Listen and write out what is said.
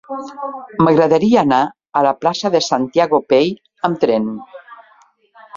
M'agradaria anar a la plaça de Santiago Pey amb tren.